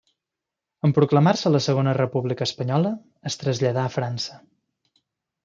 En proclamar-se la Segona República Espanyola, es traslladà a França.